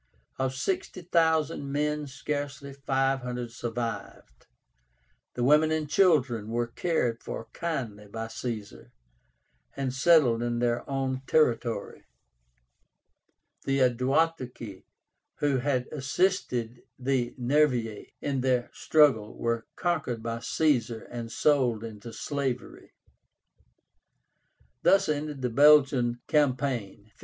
Of sixty thousand men scarcely five hundred survived. The women and children were cared for kindly by Caesar, and settled in their own territory. The Aduatuci, who had assisted the Nervii in their struggle, were conquered by Caesar and sold into slavery. Thus ended the Belgian campaign (57).